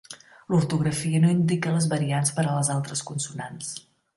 L'ortografia no indica les variants per a les altres consonants.